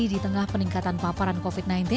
di tengah peningkatan paparan covid sembilan belas